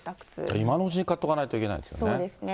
今のうちに買っておかないといけないですね。